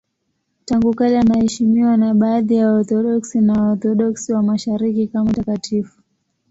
Tangu kale anaheshimiwa na baadhi ya Waorthodoksi na Waorthodoksi wa Mashariki kama mtakatifu.